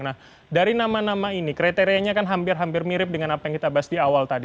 nah dari nama nama ini kriterianya kan hampir hampir mirip dengan apa yang kita bahas di awal tadi